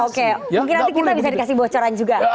oke mungkin nanti kita bisa dikasih bocoran juga